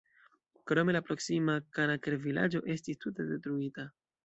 Krome, la proksima Kanaker-vilaĝo estis tute detruita.